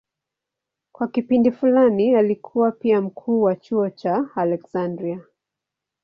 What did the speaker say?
Kwa kipindi fulani alikuwa pia mkuu wa chuo cha Aleksandria.